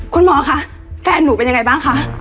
คุณหมอคะแฟนหนูเป็นยังไงบ้างคะ